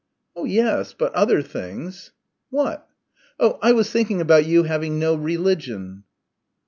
"Oh yes, but other things...." "What?" "Oh, I was thinking about you having no religion."